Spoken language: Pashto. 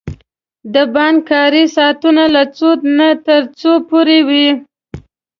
د بانک کاری ساعتونه له څو نه تر څو پوری وی؟